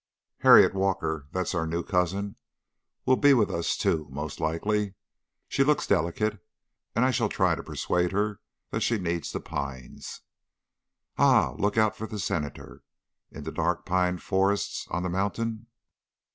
"Harriet Walker that's our new cousin will be with us too, most likely. She looks delicate, and I shall try to persuade her that she needs the pines." "Ah! Look out for the Senator in the dark pine forests on the mountain."